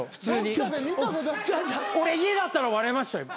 俺家だったら笑いましたよ。